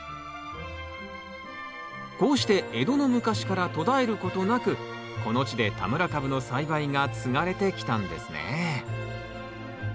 こうして江戸の昔から途絶えることなくこの地で田村かぶの栽培が継がれてきたんですね。